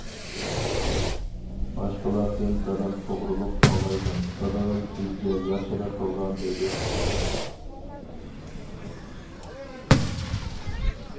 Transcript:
باشقىلاردىن دادام توغرۇلۇق ئاڭلايمەن دادىڭىز بىزگە ياخشىلىق قىلغان دەيدۇ.